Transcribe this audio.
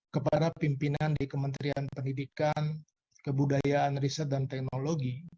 kepada pimpinan di kementerian pendidikan kebudayaan riset dan teknologi